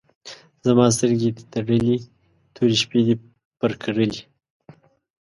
زما سترګې دي تړلي، تورې شپې دي پر کرلي